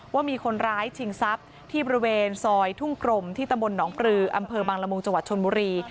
ว่ามีคนร้ายชิงทรัพย์ที่บริเวณซอยทุ่งกรมที่ตำบลหนองปลืออำเภอบังละมุงจังหวัดชนบุรี